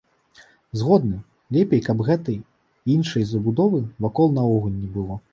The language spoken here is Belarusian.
Згодны, лепей, каб гэтай і іншай забудовы вакол наогул не было.